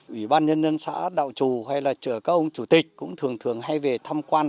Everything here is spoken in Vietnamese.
ủy ban nhân dân xã đạo trù hay là các ông chủ tịch cũng thường thường hay về thăm quan